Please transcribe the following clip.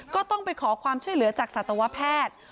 ก็ต้องไปขอความช่วยเหลือจากสัตวแพทย์